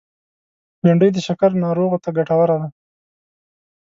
بېنډۍ د شکر ناروغو ته ګټوره ده